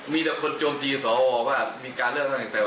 มีแต่คนโจมเจียนสวว่ามีการเลือกอะไร